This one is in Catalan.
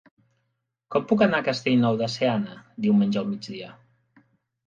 Com puc anar a Castellnou de Seana diumenge al migdia?